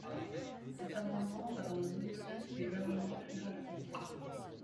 Cet amendement va dans le même sens que les amendements identiques.